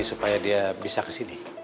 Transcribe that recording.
supaya dia bisa kesini